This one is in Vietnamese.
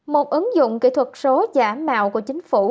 một ứng dụng kỹ thuật số giả mạo của chính phủ